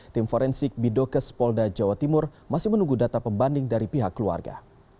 tim forensik bidokes polda jawa timur masih menunggu data pembanding dari pihak keluarga